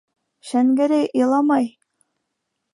Шәнгәрәй иламай.